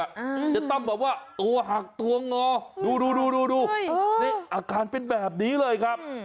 จะต้องแบบว่าตัวหักตัวงอดูอาการเป็นแบบนี้เลยครับ